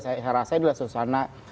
saya rasa adalah suasana